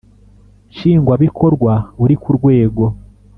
Nshingwabikorwa uri ku rwego